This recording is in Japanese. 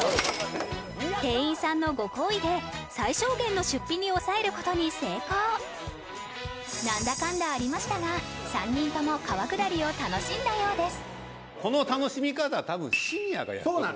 店員さんのご厚意で最小限の出費に抑えることに成功何だかんだありましたが３人とも川下りを楽しんだようです